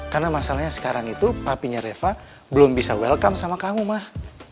karena masalahnya sekarang itu papinya reva belum bisa welcome sama kamu mah